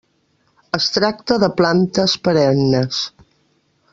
Es tracta de plantes perennes.